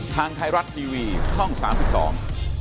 ทางไทยรัตน์ทีวีห้องสามสิบต่อม